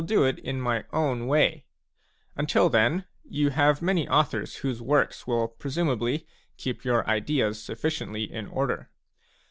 do it in my own way; until then, you have many authors whose works will presumably keep your ideas sufficiently in order.